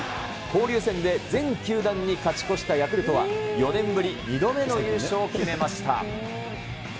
交流戦で全球団に勝ち越したヤクルトは、４年ぶり２度目の優勝を決めました。